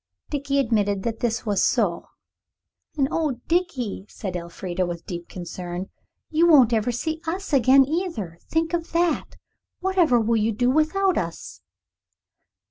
Dickie admitted that this was so. "And oh, Dickie," said Elfrida, with deep concern, "you won't ever see us again either. Think of that. Whatever will you do without us?"